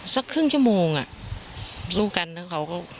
สักครึ่งชั่วโมงอ่ะรู้กันแล้วเขาก็